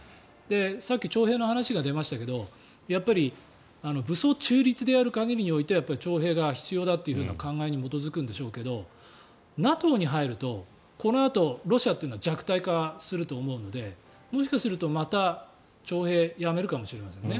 さっき徴兵の話が出ましたけどやっぱり武装中立でやる以上は徴兵が必要だという考えに基づくんでしょうけどＮＡＴＯに入るとこのあとロシアというのは弱体化すると思うのでもしかするとまた徴兵をやめるかもしれませんね。